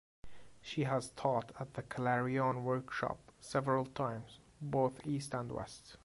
She has taught at the Clarion Workshop several times, both East and West.